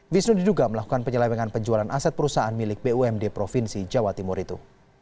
wisnu diduga melakukan penyelewengan penjualan aset perusahaan milik bumd provinsi jawa timur itu